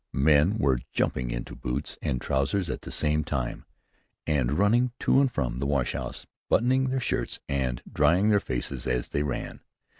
Men were jumping into boots and trousers at the same time, and running to and from the wash house, buttoning their shirts and drying their faces as they ran.